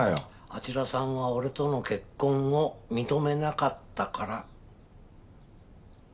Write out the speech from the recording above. あちらさんは俺との結婚を認めなかったから。